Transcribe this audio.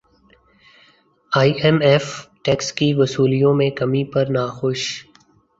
ئی M F tax کی وصولیوں میں کمی پر ناخوش